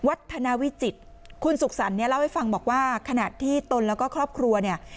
ธนาวิจิตรคุณสุขสรรค์เนี่ยเล่าให้ฟังบอกว่าขณะที่ตนแล้วก็ครอบครัวเนี่ย